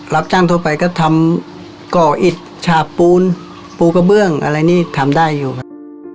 รับจ้างทั่วไปก็ทำก่ออิดฉาบปูนปูกระเบื้องอะไรนี่ทำได้อยู่ครับ